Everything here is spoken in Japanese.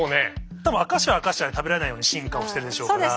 たぶんアカシアはアカシアで食べられないように進化をしてるでしょうから。